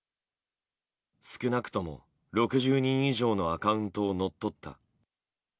少なくとも６０人以上のアカウントを乗っ取った。